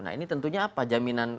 nah ini tentunya apa jaminan